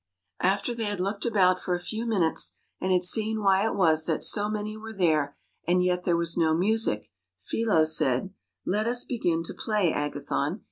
After they had looked about for a few minutes, and had seen why it was that so many were there and yet that there was no music, Philo said: " Let us begin to play, Agathon.